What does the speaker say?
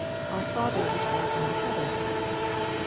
" Our Father which art in the heavens."